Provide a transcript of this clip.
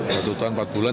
satu tahun empat bulan